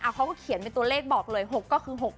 เขาก็เขียนเป็นตัวเลขบอกเลย๖ก็คือ๖๖